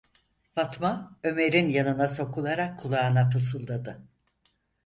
Fatma, Ömer’in yanına sokularak kulağına fısıldadı: